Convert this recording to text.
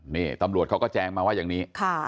นี่ตำรวจเขาก็แจงมาว่าอย่างนี้